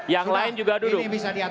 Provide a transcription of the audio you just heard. yang lain juga duduk